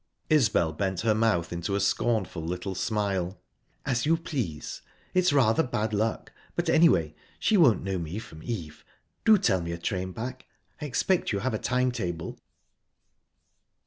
Isbel bent her mouth into a scornful little smile. "As you please. It's rather bad luck, but, anyway, she won't know me from Eve...Do tell me a train back. I expect you have a time table."